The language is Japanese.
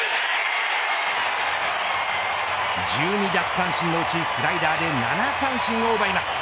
１２奪三振のうちスライダーで７三振を奪います。